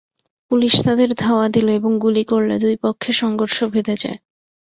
Police তাদের ধাওয়া দিলে এবং গুলি করলে দুই পক্ষে সংঘর্ষ বেধে যায়।